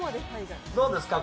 どうですか？